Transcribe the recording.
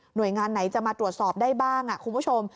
โดยงานไหนจะมาตรวจสอบได้บ้างคุณผู้ชม